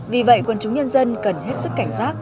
vì vậy quân chúng nhân dân cần hết sức cảnh giác